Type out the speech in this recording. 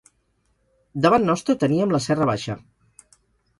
Davant nostre teníem la serra baixa